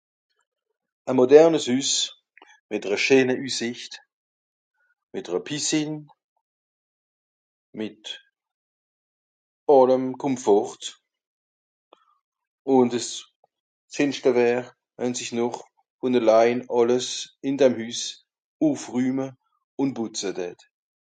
e mordernes Hüss mìt ere scheene Üssicht, mìt ere Piscine, mìt àllem Komfort. Ùn dìss scheenschte wär, wenn sich noch von allein àlles ìn dem Hüss ùffrühme ùn pùtze tät.